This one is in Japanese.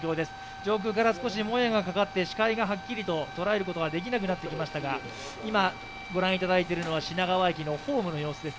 上空から少しもやがかかって視界がはっきりと捉えることができなくなってきましたが、今ご覧いただいてるのは品川駅のホームの様子です。